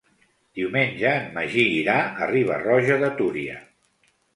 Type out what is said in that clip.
Diumenge en Magí irà a Riba-roja de Túria.